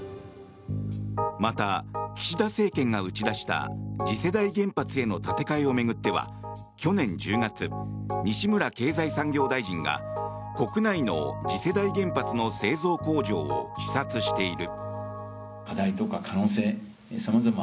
また、岸田政権が打ち出した次世代原発への建て替えを巡っては去年１０月、西村経済産業大臣が国内の次世代原発の製造工場を視察している。